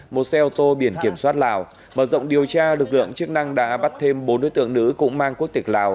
một xe ô tô biển kiểm soát lào mở rộng điều tra lực lượng chức năng đã bắt thêm bốn đối tượng nữ cũng mang quốc tịch lào